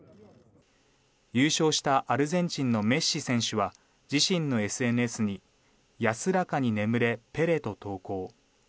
優勝したアルゼンチンのメッシ選手は自身のＳＮＳに安らかに眠れ、ペレと投稿。